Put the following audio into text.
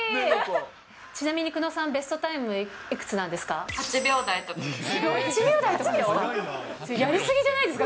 ちなみに久野さん、ベストタイムはいくつなんですか？